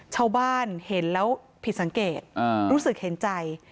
ชาวบ้านเห็นแล้วผิดสังเกตรู้สึกเห็นใจ